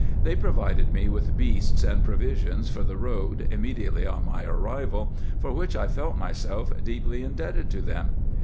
They provided me with beasts and provisions for the road imme diately on my arrival, for which I felt myself deeply indebted to them.